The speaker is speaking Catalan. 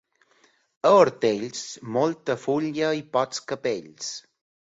A Hortells, molta fulla i pocs capells.